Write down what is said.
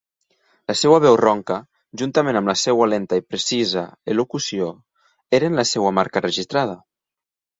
La seva veu ronca, juntament amb la seva lenta i precisa elocució, eren la seva marca registrada.